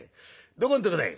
どこんとこだい？」。